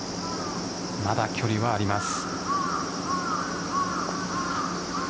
まだ距離はあります。